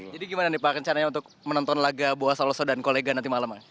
jadi gimana nih pak rencananya untuk menonton laga boa saloso dan kolega nanti malam